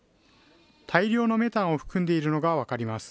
大量のメタンを含んでいるのが分かります。